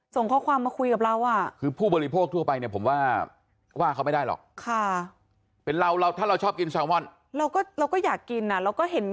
ส่งข้อความมาคุยกับเราคือผู้บริโภคทั่วไปเนี่ยผมว่าว่าเขาไม่ได้หรอกค่ะเป็นเราเราถ้าเราชอบกินแซลมอนเราก็เราก็อยากกินนะเราก็เห็น